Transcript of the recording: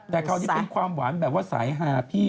แต่คราวนี้เป็นความหวานแบบว่าสายหาพี่